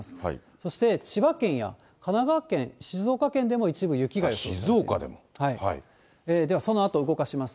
そして千葉県や神奈川県、静岡県でも一部雪が予想されています。